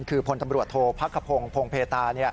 คือพลตำรวจโทษพักขพงศ์พงเพตา